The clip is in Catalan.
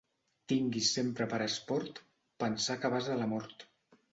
Tinguis sempre per esport pensar que vas a la mort.